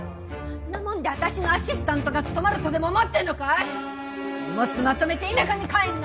んなもんで私のアシスタントが務まるとでも思ってんのかい⁉荷物まとめて田舎に帰んな！